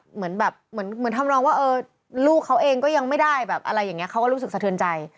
เหมือนทำรองว่าลูกเขาเองก็ยังไม่ได้อะไรอย่างนี้เขาก็รู้สึกสะเทินใจ